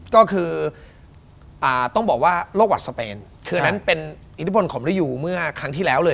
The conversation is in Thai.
ก็คือต้องบอกว่าโรคหวัดสเปนคืออันนั้นเป็นอิทธิพลของริยูเมื่อครั้งที่แล้วเลย